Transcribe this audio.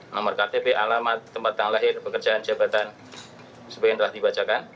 nomor ktp alamat tempat tanggal lahir pekerjaan jabatan sebagian telah dibacakan